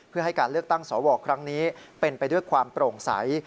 เพื่อให้การเลือกตั้งสวครั้งนี้เป็นไปด้วยความโปร่งใส